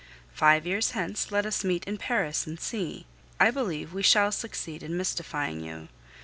Five years hence let us meet in Paris and see! I believe we shall succeed in mystifying you.